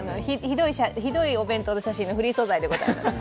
ひどいお弁当の写真のフリー素材でございます。